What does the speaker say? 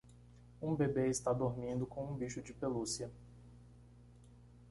Um bebê está dormindo com um bicho de pelúcia.